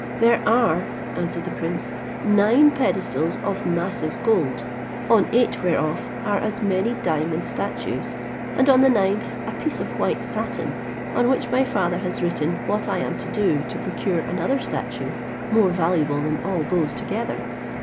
"There are," answered the prince, "nine pedestals of massive gold: on eight whereof are as many diamond statues; and on the ninth a piece of white satin, on which my father has written what I am to do to procure another statue, more valuable than all those together.